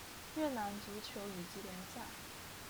越南足球乙级联赛。